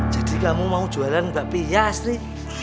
jadi kamu mau jualan mbak pia asri